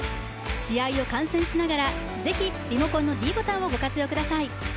試合を観戦しながら、ぜひリモコンのｄボタンをご活用ください。